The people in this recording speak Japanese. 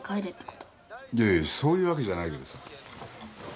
いやいやそういうわけじゃないけどさ。